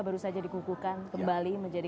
baru saja dikukuhkan kembali menjadi